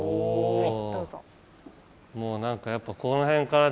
はい。